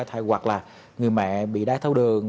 hoặc là người mẹ bị đáy thấu đường